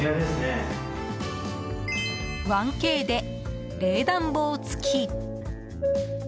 １Ｋで冷暖房付き。